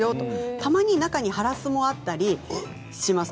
たまに中にハラスもあったりします。